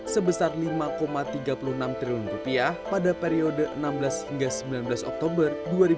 sebesar rp lima tiga puluh enam triliun pada periode enam belas hingga sembilan belas oktober dua ribu dua puluh